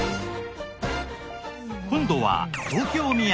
今度は東京土産